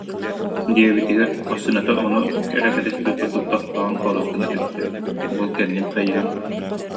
диэбитигэр, массыыната ону эрэ кэтэспит курдук, тохтоон хорус гынна түстэ, уол кэннин хайыһан: